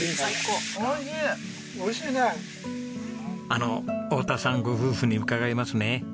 あの太田さんご夫婦に伺いますね。